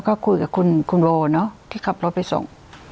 เขาก็คุยกับคุณโวที่ขับรถไปส่ง